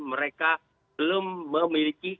mereka belum memiliki